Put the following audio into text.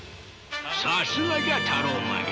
さすがじゃタローマンよ。